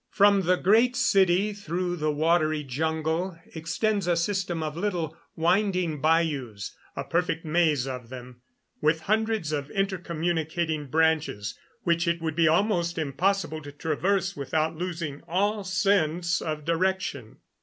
From the Great City, through the watery jungle, extends a system of little winding bayous a perfect maze of them, with hundreds of intercommunicating branches which it would be almost impossible to traverse without losing all sense of direction.